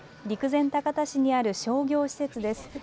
陸前高田市にある商業施設です。